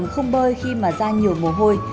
không bơi khi mà da nhiều mồ hôi